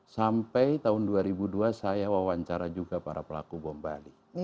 sampai tahun dua ribu dua saya wawancara juga para pelaku bom bali